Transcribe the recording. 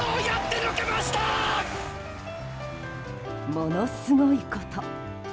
ものすごいこと。